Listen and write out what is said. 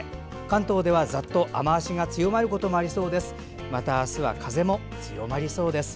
関東では、ざっと雨足が強まることもありそうです。